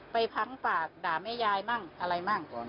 ไปพังปากด่าแม่ยายบ้างอะไรบ้าง